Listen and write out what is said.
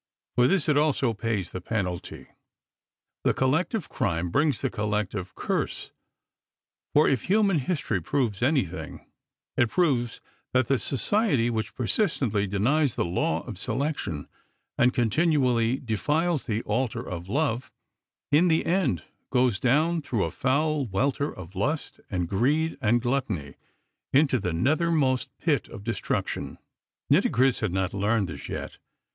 For this it also pays the penalty. The collective crime brings the collective curse, for, if human history proves anything, it proves that the Society which persistently denies the Law of Selection, and continually defiles the Altar of Love, in the end goes down through a foul welter of lust and greed and gluttony into the nethermost Pit of Destruction. Nitocris had not learned this yet.